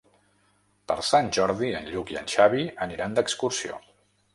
Per Sant Jordi en Lluc i en Xavi aniran d'excursió.